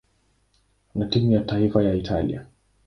na timu ya taifa ya Italia.